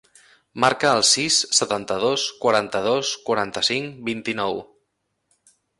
Marca el sis, setanta-dos, quaranta-dos, quaranta-cinc, vint-i-nou.